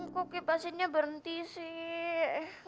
kok kipasinnya berhenti sih